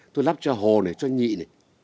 tôi lắp cho hồ này cho nhị này